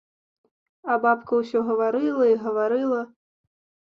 А бабка ўсё гаварыла і гаварыла.